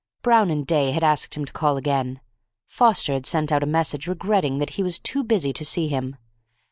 Brown and Day had asked him to call again. Foster had sent out a message regretting that he was too busy to see him.